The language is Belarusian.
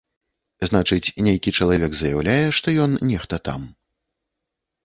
Значыць, нейкі чалавек заяўляе, што ён нехта там.